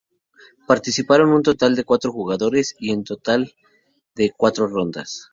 Participaron un total de cuatro jugadores: y en un total de cuatro rondas.